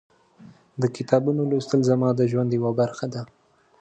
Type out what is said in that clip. د کتابونو لوستل زما د ژوند یوه برخه ده.